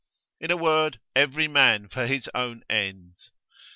In a word, every man for his own ends.